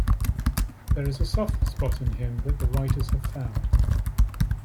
There's a soft spot in him that the writers have found.